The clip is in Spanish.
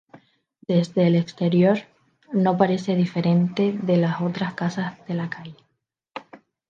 Desde el exterior, no parece diferente de las otras casas de la calle.